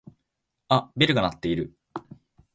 あっベルが鳴ってる。